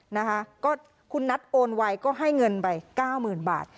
นะคะก็คุณนัทโอนไว้ก็ให้เงินไป๙๐๐๐๐บาท